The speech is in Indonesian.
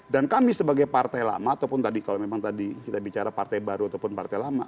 dan kami sebagai partai lama ataupun tadi kalau memang tadi kita bicara partai baru ataupun partai lama